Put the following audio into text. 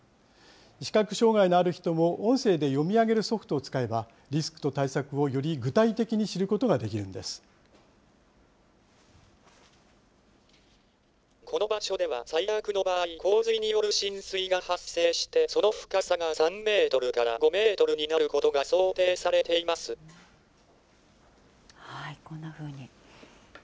視覚障害のある人も、音声で読み上げるソフトを使えば、リスクと対策をより具体的に知ることがでこの場所では、最悪の場合、洪水による浸水が発生して、その深さが３メートルから５メートルこんなふうに。